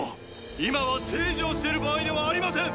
今は政治をしている場合ではありません！